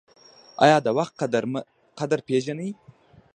ایا د وخت قدر پیژنئ؟